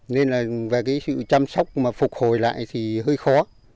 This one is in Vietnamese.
nên là về cái sự chăm sóc mà phục hồi lại thì hơi khó